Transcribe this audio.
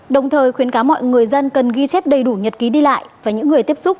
đồng thời khuyến cáo mọi người dân cần ghi chép đầy đủ nhật ký đi lại và những người tiếp xúc